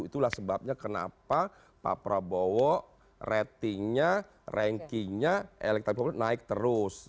itulah sebabnya kenapa pak prabowo ratingnya rankingnya elektabilitas naik terus